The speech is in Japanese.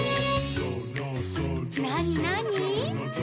「なになに？」